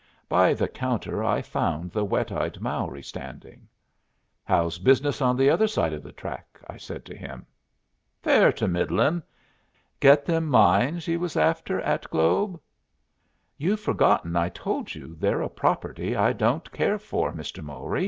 By the counter I found the wet eyed Mowry standing. "How's business on the other side of the track?" I said to him. "Fair to middlin'. Get them mines ye was after at Globe?" "You've forgotten I told you they're a property I don't care for, Mr. Mowry.